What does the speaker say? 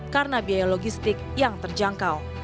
karena biaya logistik yang terjangkau